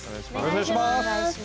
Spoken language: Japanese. お願いします。